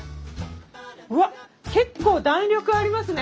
うわっ結構弾力ありますね。